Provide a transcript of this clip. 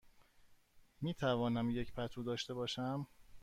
می توانم یک پتو داشته باشم؟